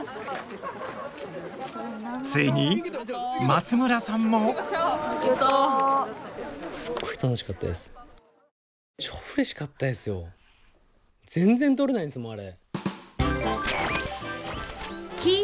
ついに松村さんも全然取れないんですもんあれ。